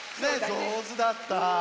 じょうずだった。